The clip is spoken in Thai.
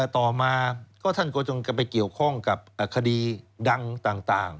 ต่อมาก็ท่านก็จงกันไปเกี่ยวข้องกับคดีดังต่าง